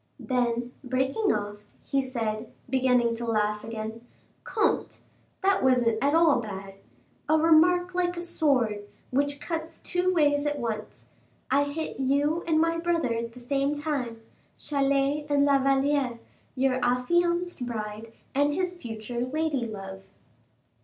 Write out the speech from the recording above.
Then breaking off, he said, beginning to laugh again, "Comte, that wasn't at all bad! a remark like a sword, which cuts two ways at once. I hit you and my brother at the same time, Chalais and La Valliere, your affianced bride and his future lady love."